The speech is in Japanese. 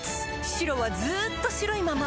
白はずっと白いまま